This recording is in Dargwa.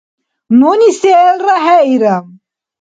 Нуни селра хӀеира.